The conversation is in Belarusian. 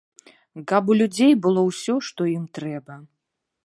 Каб у людзей было ўсё, што ім трэба.